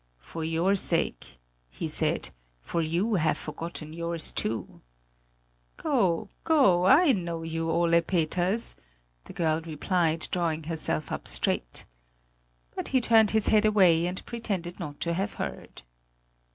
"For your sake," he said, "for you have forgotten yours too!" "Go, go I know you, Ole Peters!" the girl replied, drawing herself up straight. But he turned his head away and pretended not to have heard.